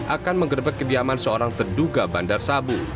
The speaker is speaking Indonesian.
akan menggerbek kediaman seorang teduga bandar sabu